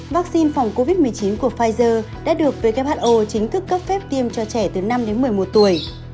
vaccine phòng covid một mươi chín của pfizer đã được who chính thức cấp phép tiêm cho trẻ từ năm đến một mươi một tuổi